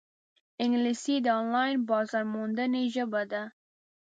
انګلیسي د آنلاین بازارموندنې ژبه ده